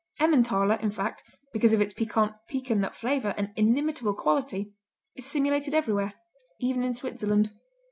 Emmentaler, in fact, because of its piquant pecan nut flavor and inimitable quality, is simulated everywhere, even in Switzerland.